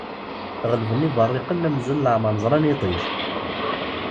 Ɣelben iberriqen amzun leɛmer ẓran iṭij.